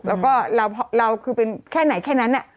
แล้วก็เราคือเป็นแค่ไหนแค่นั้น